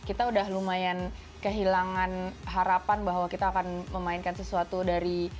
kita udah lumayan kehilangan harapan bahwa kita akan memainkan sesuatu dari